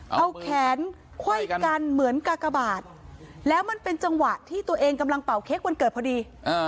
เอาแขนไขว้กันเหมือนกากบาทแล้วมันเป็นจังหวะที่ตัวเองกำลังเป่าเค้กวันเกิดพอดี